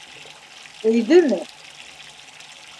Өйҙөмө?